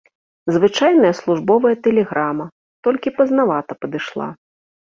Звычайная службовая тэлеграма, толькі пазнавата падышла.